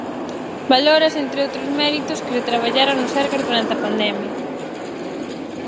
Valórase, entre outros méritos, que se traballara no Sergas durante a pandemia.